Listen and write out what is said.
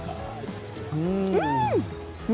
うん！